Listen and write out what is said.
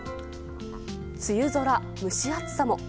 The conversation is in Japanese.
梅雨空、蒸し暑さも。